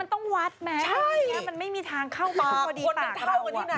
จริงมันต้องวัดแม่มันไม่มีทางเข้าพอดีปากเรา